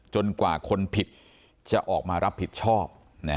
กว่าคนผิดจะออกมารับผิดชอบ